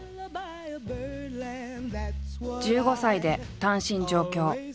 １５歳で単身上京。